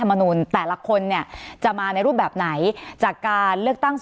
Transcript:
มนุนแต่ละคนเนี่ยจะมาในรูปแบบไหนจากการเลือกตั้ง